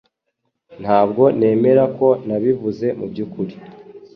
Ntabwo nemera ko nabivuze mubyukuri